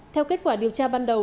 theo kết quả điều tra ban đầu